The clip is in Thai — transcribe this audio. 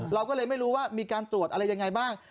เราก็เลยไม่รู้ว่ามีการตรวจอะไรยังไงบ้าง